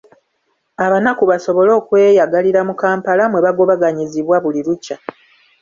Abanaku basobole okweyagalira mu Kampala mwebagobaganyizibwa buli lukya.